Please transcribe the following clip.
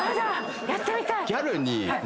やってみたい！